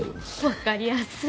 わかりやすい。